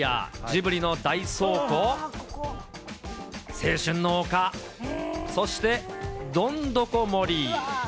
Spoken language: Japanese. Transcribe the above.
ジブリの大倉庫、青春の丘、そして、どんどこ森。